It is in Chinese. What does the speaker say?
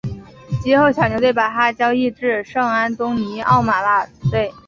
及后小牛队把他交易至圣安东尼奥马刺队。